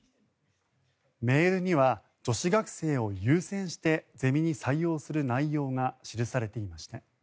メールには女子学生を優先してゼミに採用する内容が記されていました。